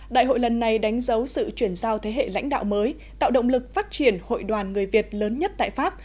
đại hội lần này đánh dấu sự chuyển giao thế hệ lãnh đạo mới tạo động lực phát triển hội đoàn người việt lớn nhất tại pháp